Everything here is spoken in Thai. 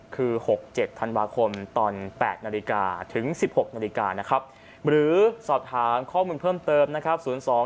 คือ๖๗ธันวาคมตอน๘นาฬิกาถึง๑๖นาฬิกานะครับหรือสอบถามข้อมูลเพิ่มเติมนะครับ